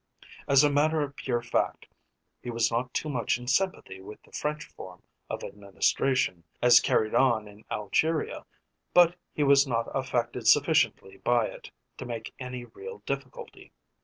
As a matter of pure fact he was not too much in sympathy with the French form of administration as carried on in Algeria, but he was not affected sufficiently by it to make any real difficulty.